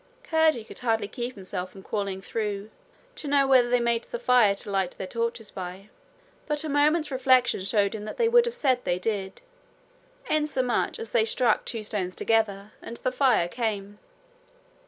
Curdie could hardly keep himself from calling through to know whether they made the fire to light their torches by. But a moment's reflection showed him that they would have said they did, inasmuch as they struck two stones together, and the fire came.